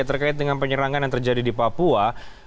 terkait dengan penyerangan yang terjadi di papua